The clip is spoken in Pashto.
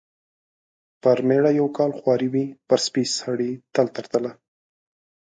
پر مېړه یو کال خواري وي، پر سپي سړي تل تر تله.